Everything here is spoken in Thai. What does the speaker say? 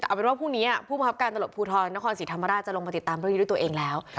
เอาเป็นว่าพรุ่งนี้ผู้มอบการตลอดภูทรนครศรีธรรมราชจะลงมาติดตามด้วยตัวเองแล้ว